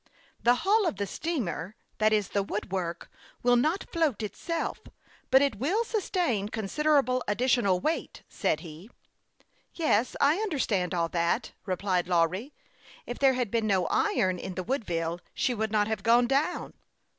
" The hull of the steamer that is, the wood work will not only float itself, but it will sustain considerable additional weight," said he. " Yes, I understand all that," replied Lawry. " If there had been no iron in the Woodville she would nut have gone down.